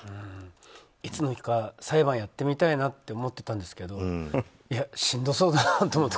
いつの日か裁判やってみたいなって思ってたんですけどしんどそうだなと思って。